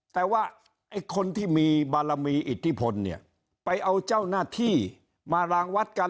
แต่ว่าไอ้คนที่มีบารมีอิทธิพลเนี่ยไปเอาเจ้าหน้าที่มารางวัดกัน